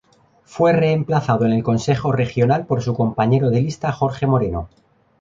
Fue reemplazado en el Consejo Regional por su compañero de lista Jorge Moreno.